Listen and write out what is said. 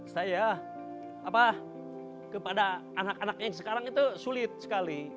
saya kepada anak anak yang sekarang itu sulit sekali